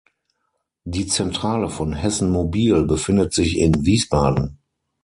Die Zentrale von Hessen Mobil befindet sich in Wiesbaden.